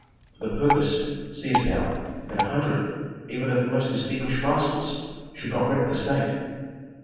For the purpose, seest thou, that a hundred, even of the most distinguished rascals, should not wreck the state."